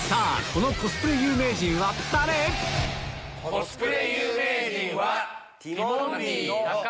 コスプレ有名人は。